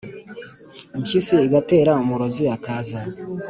impyisi igatera, umurozi akaza!